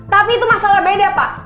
tapi itu masalah beda pak